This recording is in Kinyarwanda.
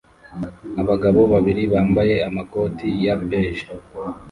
abagabo babiri bambaye amakoti ya beige